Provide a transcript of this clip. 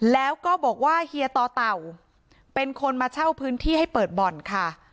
แล้วก็บอกว่าเฮียต่อเต่าเป็นคนมาเช่าพื้นที่ให้เปิดบ่อนค่ะ